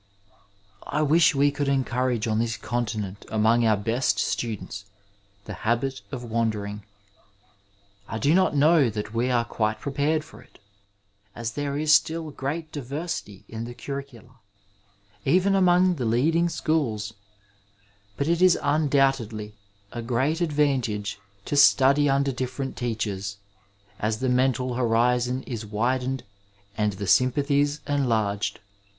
I wish we could encourage on this continent among our best students the habit of wandering. I do not know that we are quite prepared for it, as there is still great diversity in the curricula, even among the leading schools, but it is undoubtedly a great advantage to study under different teachers, as the mental horizon is widened and the cfym pathies enlarged.